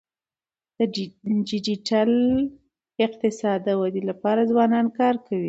د ډیجیټل اقتصاد د ودي لپاره ځوانان کار کوي.